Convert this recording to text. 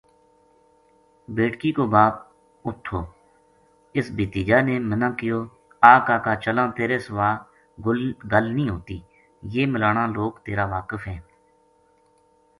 بیٹکی کو باپ اُت تھو اِس بھتیجا نے منا کہیو آ کاکا چلاں تیرے سو ا گل نہیہ ہوتی یہ ملاناں لوک تیر ا واقف ہے۔